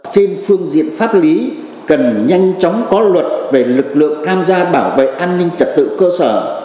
trên phương diện pháp lý cần nhanh chóng có luật về lực lượng tham gia bảo vệ an ninh trật tự cơ sở